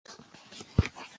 که ځمکه وي نو کښت نه وچيږي.